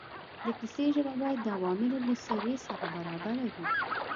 د کیسې ژبه باید د عوامو له سویې سره برابره وي.